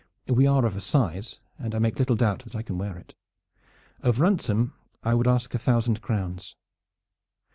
We are of a size, and I make little doubt that I can wear it. Of ransom I would ask a thousand crowns."